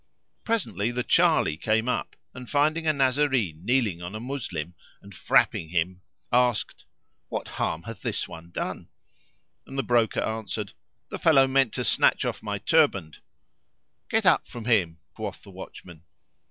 Presently the Charley came up and, finding a Nazarene kneeling on a Moslem and frapping him, asked, "What harm hath this one done?"; and the Broker answered, "The fellow meant to snatch off my turband." "Get up from him," quoth the watch man.